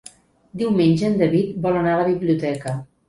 Diumenge en David vol anar a la biblioteca.